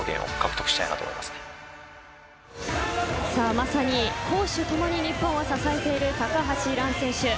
まさに攻守ともに日本を支えている高橋藍選手。